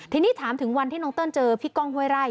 ทีนี้ถามถึงวันที่น้องเติ้ลเจอพี่ก้องห้วยไร่